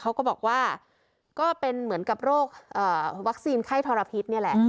เขาก็บอกว่าก็เป็นเหมือนกับโรควัคซีนไข้ทรพิษนี่แหละ